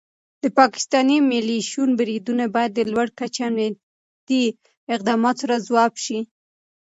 د پاکستاني ملیشو بریدونه باید د لوړ کچې امنیتي اقداماتو سره ځواب شي.